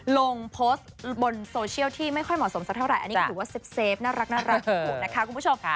ลงโพสต์บนโซเชียลที่ไม่ค่อยเหมาะสมสักเท่าไหร่อันนี้ก็ถือว่าเซฟน่ารักถูกนะคะคุณผู้ชม